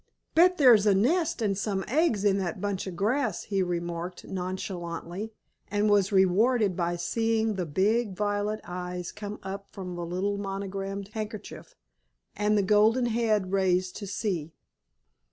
"Bet there's a nest and some eggs in that bunch of grass," he remarked nonchalantly, and was rewarded by seeing the big violet eyes come up from the little monogramed handkerchief, and the golden head raised to see.